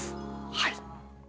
はい。